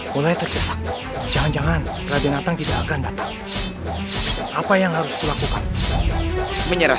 boleh tercesak jangan jangan radenatang tidak akan datang apa yang harus dilakukan menyerah